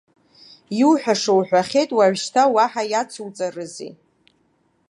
Иуҳәаша уҳәахьеит, уажәшьҭа уаҳа иацуҵарызеи?